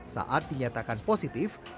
saat dinyatakan positif